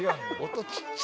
音小っちゃ。